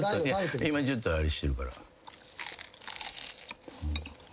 今ちょっとあれしてるから。